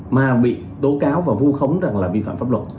mà bị tố cáo và vu khống rằng là vi phạm pháp luật